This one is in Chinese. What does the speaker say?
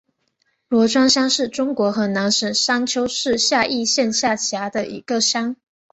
罗庄乡是中国河南省商丘市夏邑县下辖的一个乡。